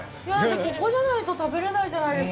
ここじゃないと食べれないじゃないですか。